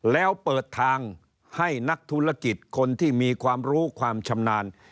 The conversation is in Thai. แล้วเปิดทางให้นักธุรกิจคนที่มีความรู้ความชำนาญ